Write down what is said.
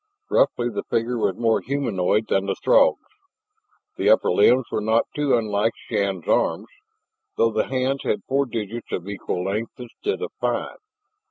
Roughly the figure was more humanoid than the Throgs. The upper limbs were not too unlike Shann's arms, though the hands had four digits of equal length instead of five.